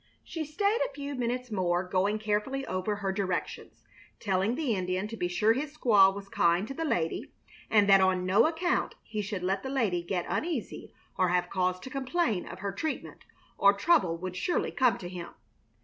She stayed a few minutes more, going carefully over her directions, telling the Indian to be sure his squaw was kind to the lady, and that on no account he should let the lady get uneasy or have cause to complain of her treatment, or trouble would surely come to him.